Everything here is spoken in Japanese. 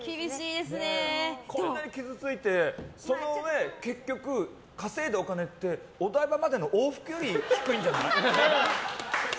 こんなに傷ついて、そのうえ結局、稼いだお金ってお台場までの往復より低いんじゃない？